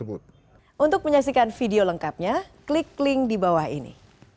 untuk menyaksikan video lengkapnya klik link di bawah ini